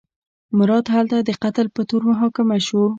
مراد هلته د قتل په تور محاکمه شو.